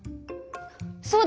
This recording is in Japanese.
そうだ！